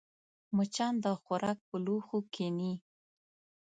مچان د خوراک پر لوښو کښېني